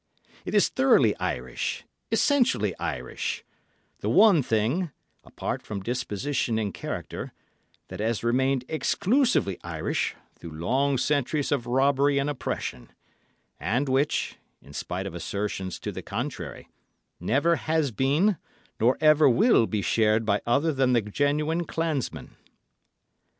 It is thoroughly Irish, essentially Irish; the one thing, apart from disposition and character, that has remained exclusively Irish through long centuries of robbery and oppression; and which, in spite of assertions to the contrary, never has been, nor ever will be shared by other than the genuine clansman.